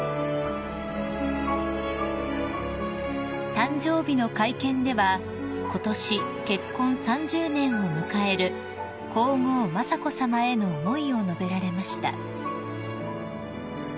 ［誕生日の会見ではことし結婚３０年を迎える皇后雅子さまへの思いを述べられました］